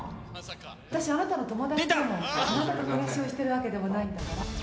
私、あなたの友達でも、あなたと暮らしをしているわけでもないんだから。